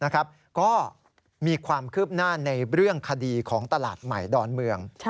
ก็มีความคืบหน้าในเรื่องคดีของตลาดใหม่ดอนเมือง